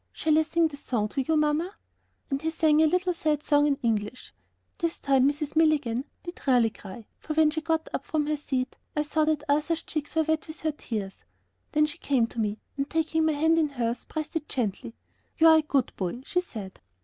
Shall I sing the song to you, Mamma?" And he sang a little sad song in English. This time Mrs. Milligan did really cry, for when she got up from her seat, I saw that Arthur's cheeks were wet with her tears. Then she came to me and, taking my hand in hers, pressed it gently. "You are a good boy," she said.